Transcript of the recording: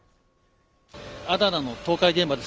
アダナの倒壊現場です。